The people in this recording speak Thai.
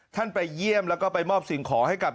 ไปเยี่ยมแล้วก็ไปมอบสิ่งขอให้กับ